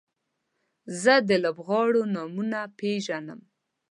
زه د لوبغاړو نومونه پیژنم.